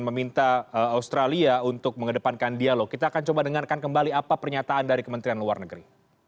meminta australia untuk mengedepankan dialog kita akan coba dengarkan kembali apa pernyataan dari kementerian luar negeri